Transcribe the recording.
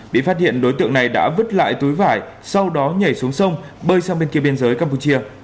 bị phát hiện đối tượng này đã vứt lại túi vải sau đó nhảy xuống sông bơi sang bên kia biên giới campuchia